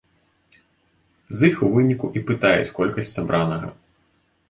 З іх у выніку і пытаюць колькасць сабранага.